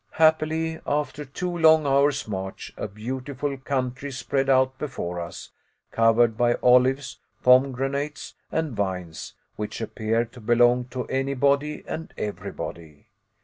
Happily, after two long hours' march, a beautiful country spread out before us, covered by olives, pomegranates, and vines, which appeared to belong to anybody and everybody.